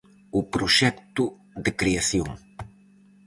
O proxecto de creación.